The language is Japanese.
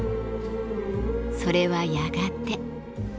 それはやがて。